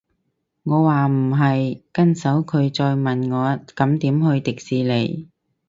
我話唔係，跟手佢再問我咁點去迪士尼